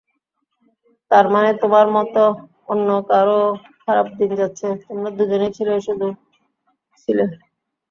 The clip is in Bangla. তারমানে তোমার মত অন্যকারোরও খারাপ দিন যাচ্ছে, তোমরা দুজনই ছিলে শুধু ছিলে?